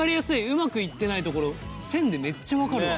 うまくいってないところ線でめっちゃ分かるわ。